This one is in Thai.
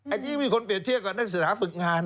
อันนี้มีคนเปรียบเทียบกับนักศึกษาฝึกงาน